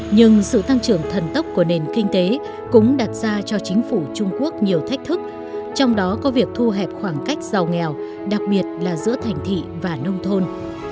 nhưng sự tăng trưởng thần tốc của nền kinh tế cũng đặt ra cho chính phủ trung quốc nhiều thách thức trong đó có việc thu hẹp khoảng cách giàu nghèo đặc biệt là giữa thành thị và nông thôn